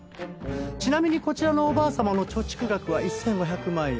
ちなみにこちらのおばあ様の貯蓄額は１５００万円。